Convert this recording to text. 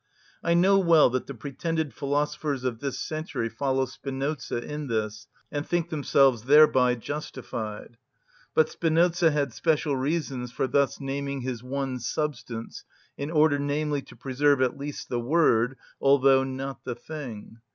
I know well that the pretended philosophers of this century follow Spinoza in this, and think themselves thereby justified. But Spinoza had special reasons for thus naming his one substance, in order, namely, to preserve at least the word, although not the thing.